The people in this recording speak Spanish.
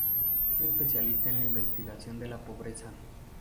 Es especialista en la investigación de la pobreza.